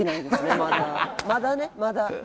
まだまだねまだ。